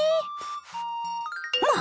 まあ！